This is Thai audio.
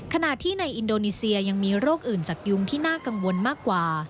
ขณะที่ในอินโดนีเซียยังมีโรคอื่นจากยุงที่น่ากังวลมากกว่า